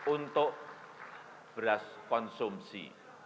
untuk beras konsumsi